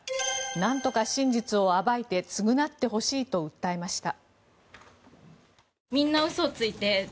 なんとか真実を暴いて償ってほしいと訴えました。